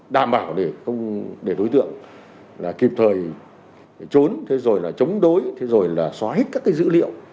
đảm bảo để đối tượng kịp thời trốn chống đối xóa hết các dữ liệu